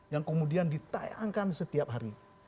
yang kemudian ditayangkan setiap hari